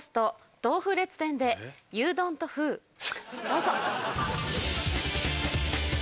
どうぞ。